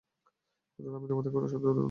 অর্থাৎ আমি তোমাদেরকে রসদও দেব না।